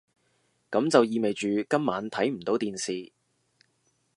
噉就意味住今晚睇唔到電視